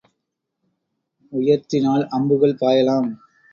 உயர்த்தினால் அம்புகள் பாயலாம்.